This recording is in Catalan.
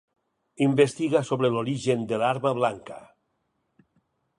Investiga sobre l'origen de l'arma blanca.